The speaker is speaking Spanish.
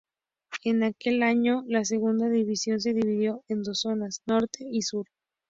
En aquel año, la Segunda División se dividió en dos zonas: norte y sur.